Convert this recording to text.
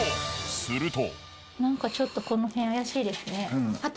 すると。